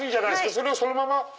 それをそのまま？